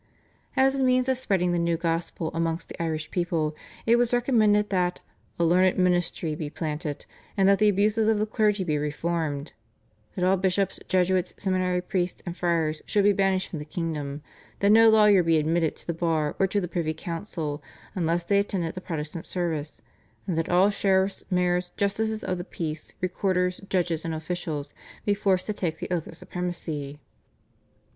" As a means of spreading the new gospel amongst the Irish people it was recommended that "a learned ministry be planted, and that the abuses of the clergy be reformed;" that all bishops, Jesuits, seminary priests, and friars should be banished from the kingdom, that no lawyers be admitted to the bar or to the privy council unless they attended the Protestant service, and that all sheriffs, mayors, justices of the peace, recorders, judges, and officials be forced to take the oath of supremacy.